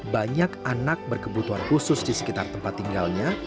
banyak anak berkebutuhan khusus di sekitar tempat tinggalnya